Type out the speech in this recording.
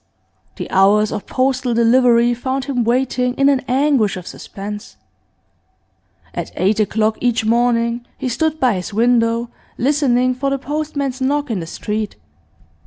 The hours of postal delivery found him waiting in an anguish of suspense. At eight o'clock each morning he stood by his window, listening for the postman's knock in the street.